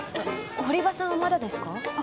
堀場さんはまだですか？